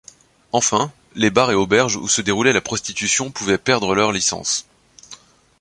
Enfin, les bars et auberges où se déroulait la prostitution pouvaient perdre leur licence.